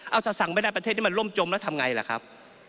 เอาถ้าสั่งไม่ได้ประเทศนี้มันล่มจมแล้วทำไงล่ะครับ